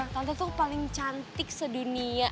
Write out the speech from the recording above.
tante tuh paling cantik sedunia